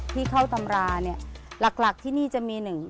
ที่เข้าตำราเนี่ยหลักที่นี่จะมีหนึ่ง